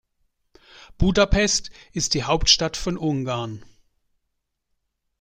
Budapest ist die Hauptstadt von Ungarn.